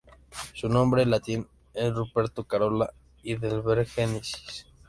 Su nombre en latín es "Ruperto Carola Heidelbergensis".